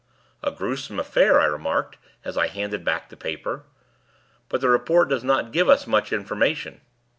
"A gruesome affair," I remarked, as I handed back the paper, "but the report does not give us much information."